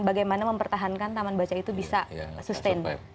bagaimana mempertahankan taman bacaan itu bisa sustainable